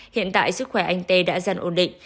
hiện tại sức khỏe anh tê đã dần ổn định